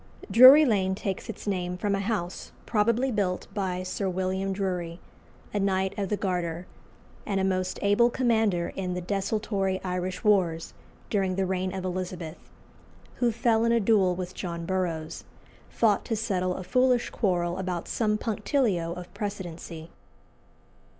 Drury Lane takes its name from a house probably built by Sir William Drury, a Knight of the Garter, and a most able commander in the desultory Irish wars during the reign of Elizabeth, who fell in a duel with John Burroughs, fought to settle a foolish quarrel about some punctilio of precedency.